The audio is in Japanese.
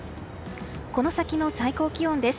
この先の最高気温です。